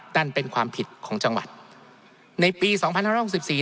นั่นเป็นความผิดของจังหวัดในปีสองพันห้าร้อยหกสิบสี่